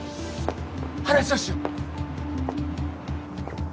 話をしよう。